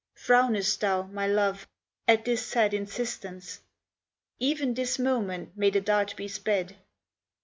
Frownest thou, my Love, at this sad insistence? Even this moment may the dart be sped.